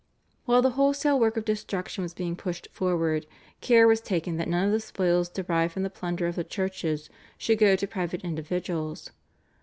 While the wholesale work of destruction was being pushed forward care was taken that none of the spoils derived from the plunder of the churches should go to private individuals.